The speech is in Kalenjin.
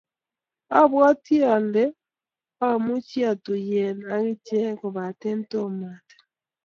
Abwoti ole amuchi atuiyegee ak inyee, kobate tomo atil.